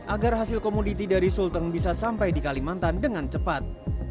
agar hasil komoditi dari sulteng bisa sampai di kalimantan dengan cepat